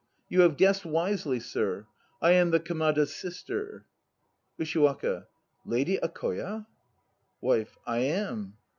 You have guessed wisely, sir; I am the Kamada's sister. USHIWAKA. Lady Akoya? WIFE. I am.